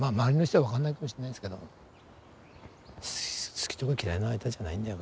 「好きとか嫌いの間じゃないんだよ